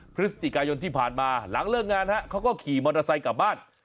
พฤศจิกายนที่ผ่านมาหลังเลิกงานเขาก็ขี่มอเตอร์ไซค์กลับบ้าน